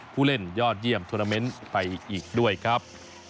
ผู้เล่นยอดเยี่ยมทวนาเมนต์ไปอีกด้วยครับ